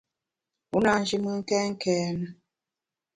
U na nji mùn kèn kène.